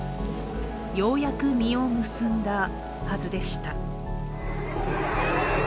ようやく実を結んだはずでした。